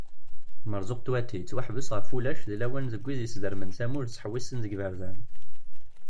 Marzuq Tewwati yettwaḥbes ɣef ulac di lawan deg wid yesdermen tamurt ttḥewissen deg iberdan.